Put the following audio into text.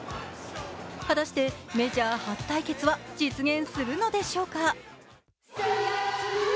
果たしてメジャー初対決は実現するのでしょうか。